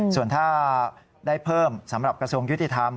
ส่วนถ้าได้เพิ่มสำหรับกระทรวงยุติธรรม